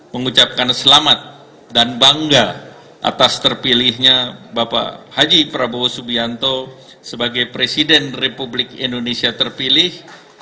mengucapkan selamat dan bangga atas terpilihnya bapak haji prabowo subianto sebagai presiden republik indonesia terpilih